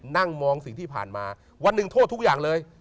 นั่งมองสิ่งที่ผ่านมาวันหนึ่งโทษทุกอย่างเลย